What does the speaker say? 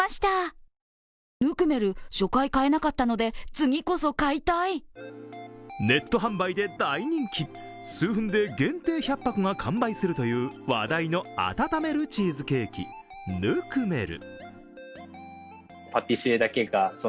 続いてはネット販売で大人気、数分で限定１００箱が完売するという話題の温めるチーズケーキ、Ｎｕｋｍｅｌ。